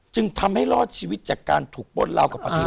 จึงทำให้รอดชีวิตจากการถูกโปรดเหล่ากับอธิบายขาด